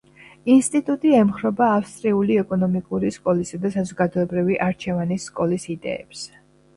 ინსტიტუტი ემხრობა ავსტრიული ეკონომიკური სკოლისა და საზოგადოებრივი არჩევანის სკოლის იდეებს.